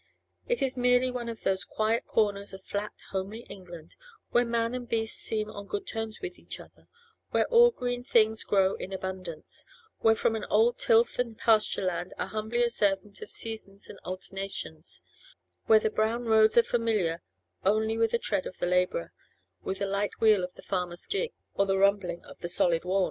It is merely one of those quiet corners of flat, homely England, where man and beast seem on good terms with each other, where all green things grow in abundance, where from of old tilth and pasture land are humbly observant of seasons and alternations, where the brown roads are familiar only with the tread of the labourer, with the light wheel of the farmer's gig, or the rumbling of the solid wain.